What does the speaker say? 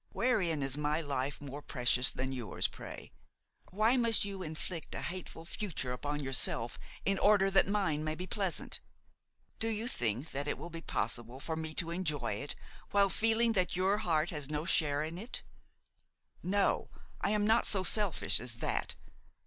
"Wherein is my life more precious than yours, pray? Why must you inflict a hateful future upon yourself in order that mine may be pleasant? Do you think that it will be possible for me to enjoy it while feeling that your heart has no share in it? No, I am not so selfish as that.